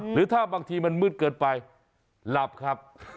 หรือถ้าบางทีมันมืดเกินไปหลับครับ